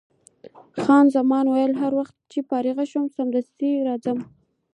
خان زمان وویل: هر وخت چې فارغه شوم، سمدستي به راځم.